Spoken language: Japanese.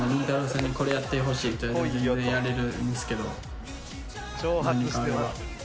さんにこれやってほしいと言われたら全然やれるんですけど。